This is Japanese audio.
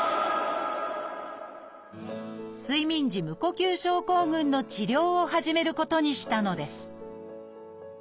睡眠時無呼吸症候群の治療を始めることにしたのです